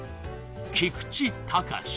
菊池隆